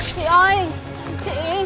chị ơi chị